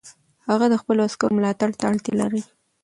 هغه د خپلو عسکرو ملاتړ ته اړتیا لري.